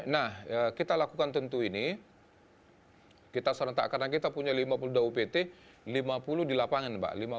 nah kita lakukan tentu ini kita serentak karena kita punya lima puluh dua upt lima puluh di lapangan mbak